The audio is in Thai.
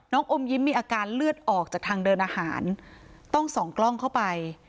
อมยิ้มมีอาการเลือดออกจากทางเดินอาหารต้องส่องกล้องเข้าไป